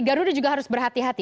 garuda juga harus berhati hati